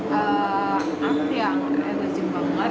baru pertama lihat